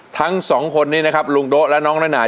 ทั้งสองคนนี้นะครับลุงโด๊ะและน้องนา